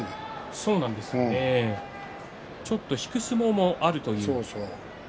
そうですねちょっと引く相撲もあるという。